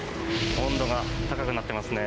温度が高くなってますね。